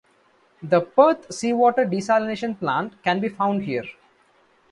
The Perth Seawater Desalination Plant can be found here.